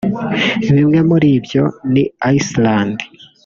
Bimwe muri byo ni Iceland